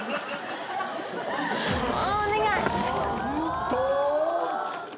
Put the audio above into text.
お願い！